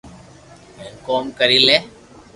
ھين ڪوم ڪري لي